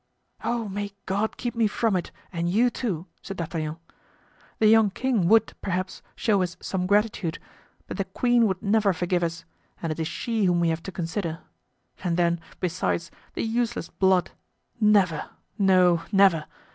"Oh, may God keep me from it, and you, too!" said D'Artagnan. "The young king would, perhaps, show us some gratitude; but the queen would never forgive us, and it is she whom we have to consider. And then, besides, the useless blood! never! no, never!